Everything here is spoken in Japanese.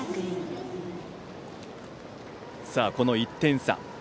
この１点差。